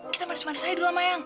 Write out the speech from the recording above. kita manis manis aja dulu sama eyang